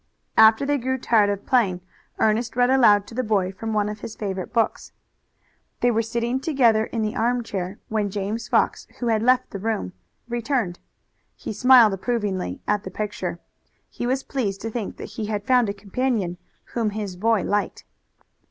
After they grew tired of playing Ernest read aloud to the boy from one of his favorite books. They were sitting together in the armchair when James Fox, who had left the room, returned. He smiled approvingly at the picture. He was pleased to think that he had found a companion whom his boy liked.